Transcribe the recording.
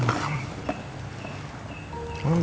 apakah lo yang kenyang